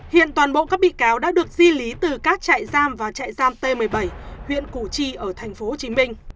hiện toàn bộ các bị cáo đã được di lý từ các trại giam và trại giam t một mươi bảy huyện củ chi ở tp hcm